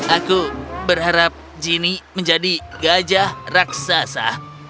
aku berharap jinny menjadi gajah raksasa